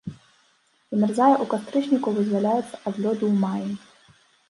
Замярзае ў кастрычніку, вызваляецца ад лёду ў маі.